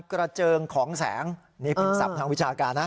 เจิงของแสงนี่เป็นศัพท์ทางวิชาการนะ